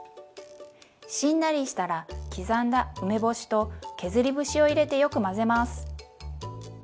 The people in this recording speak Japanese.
しんなりしたら刻んだ梅干しと削り節を入れてよく混ぜます。